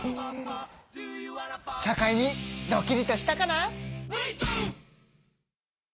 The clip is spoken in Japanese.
社会にドキリとしたかな？